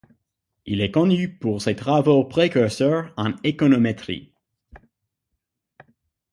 Il est connu pour ses travaux précurseurs en économétrie.